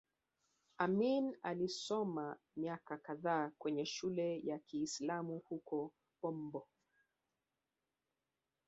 Amin alisoma miaka kadhaa kwenye shule ya Kiislamu huko Bombo